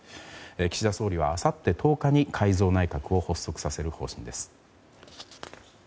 岸田総理は、あさって１０日に改造内閣を発足させる方針です。